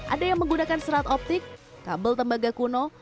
ada yang menggunakan serat optik kabel tembaga kuno